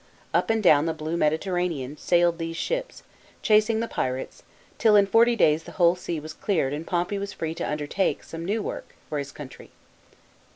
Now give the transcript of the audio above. Up and down the blue Mediterranean, sailed these ships, chasing the pirates, till in forty days the whole sea was cleared and Pompey was free to undertake some new work, for his country.